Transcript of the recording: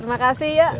terima kasih ya